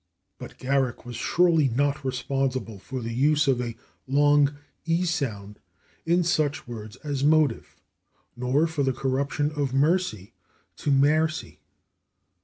But Garrick was surely not responsible for the use of a long /i/ sound in such words as /motive/, nor for the corruption of /mercy/ to /marcy